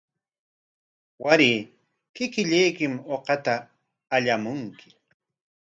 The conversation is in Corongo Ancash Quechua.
Waray kikillaykim uqata allamunki.